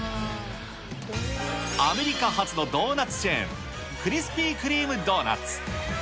アメリカ発のドーナツチェーン、クリスピー・クリーム・ドーナツ。